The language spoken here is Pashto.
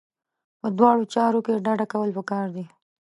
په دواړو چارو کې ډډه کول پکار دي.